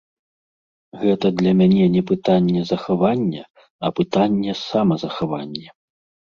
Гэта для мяне не пытанне захавання, а пытанне самазахавання.